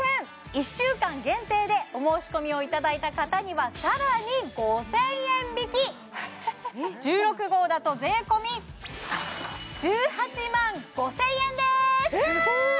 １週間限定でお申し込みをいただいた方にはさらに５０００円引き１６号だと税込１８万５０００円ですえ！